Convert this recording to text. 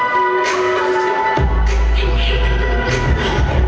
สวัสดีครับ